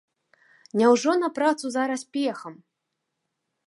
Няўжо на працу зараз пехам?